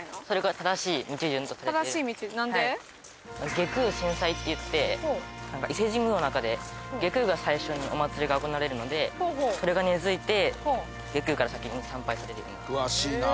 外宮先祭っていって伊勢神宮の中で外宮が最初にお祭りが行われるのでそれが根付いて外宮から先に参拝されるように。